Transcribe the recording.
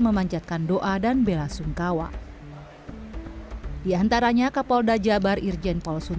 memanjatkan doa dan bela sungkawa diantaranya kapolda jabar irjen polsuntana mantan gubernur